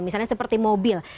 misalnya seperti mobil